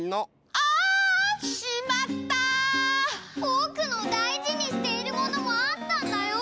ぼくのだいじにしているものもあったんだよ！